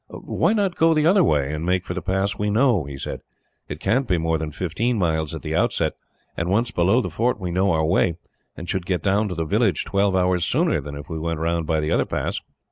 "Why not go the other way, and make for the pass we know?" he said. "It can't be more than fifteen miles, at the outside, and once below the fort we know our way, and should get down to the village twelve hours sooner than if we went round by the other pass."